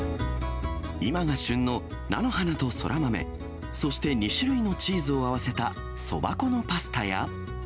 今が旬の菜の花とソラマメ、そして２種類のチーズを合わせたそば粉のパスタや。